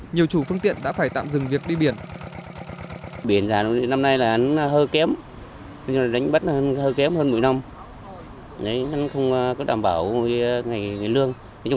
nhiều chủ phương tiện đã phải tạm dừng việc đi biển